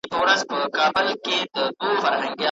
تخیل مو د موخو لپاره وکاروئ.